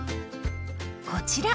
こちら！